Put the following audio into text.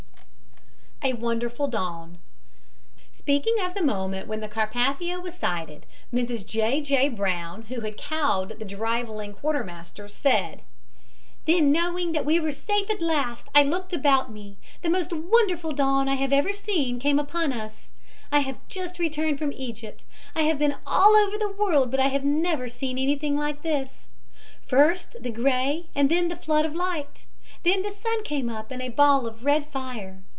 A WONDERFUL DAWN Speaking of the moment when the Carpathia was sighted. Mrs. J. J. Brown, who had cowed the driveling quartermaster, said: "Then, knowing that we were safe at last, I looked about me. The most wonderful dawn I have ever seen came upon us. I have just returned from Egypt. I have been all over the world, but I have never seen anything like this. First the gray and then the flood of light. Then the sun came up in a ball of red fire.